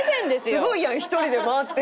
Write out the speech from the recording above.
すごいやん１人で回って。